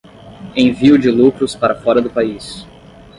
envio de lucros para fora do país